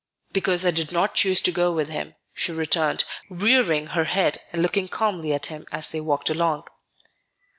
"Because I did not choose to go with him," she returned, rearing her head and looking calmly at him as they walked along.